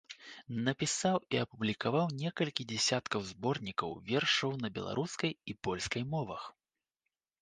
Напісаў і апублікаваў некалькі дзесяткаў зборнікаў вершаў на беларускай і польскай мовах.